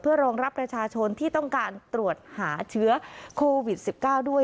รองรับประชาชนที่ต้องการตรวจหาเชื้อโควิด๑๙ด้วย